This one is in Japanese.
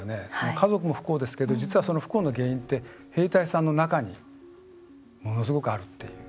家族も不幸ですけど実はその不幸の原因って兵隊さんの中にものすごくあるっていう。